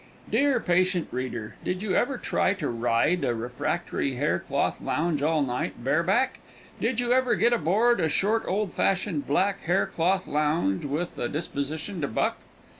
Dear, patient reader, did you every try to ride a refractory hair cloth lounge all night, bare back? Did you ever get aboard a short, old fashioned, black, hair cloth lounge, with a disposition to buck?